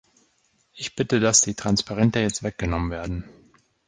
Ich bitte, dass die Transparente jetzt weggenommen werden.